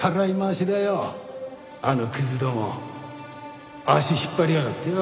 あのクズども足引っ張りやがってよ。